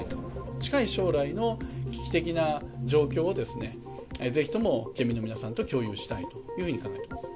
近い将来の危機的な状況を、ぜひとも県民の皆さんと共有したいというふうに考えてます。